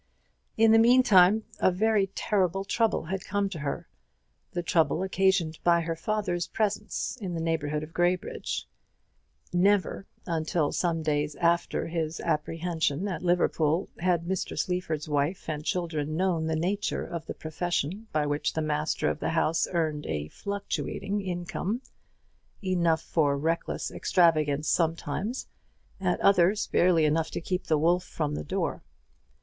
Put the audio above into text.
In the meantime a very terrible trouble had come to her the trouble occasioned by her father's presence in the neighbourhood of Graybridge. Never, until some days after his apprehension at Liverpool, had Mr. Sleaford's wife and children known the nature of the profession by which the master of the house earned a fluctuating income, enough for reckless extravagance sometimes, at others barely enough to keep the wolf from the door.